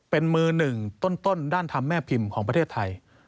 เป็นมือหนึ่งต้นด้านธรรมแม่พิมพ์ของประเทศไทย